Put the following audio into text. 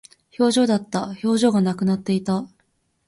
表情だった。表情がなくなっていた。